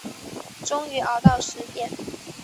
终于熬到十点